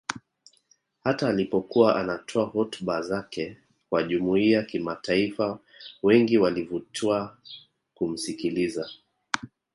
Hata alipokuwa anatoa hotuba zake kwa Jumuiya Kimataifa wengi walivutwa kumsikiliza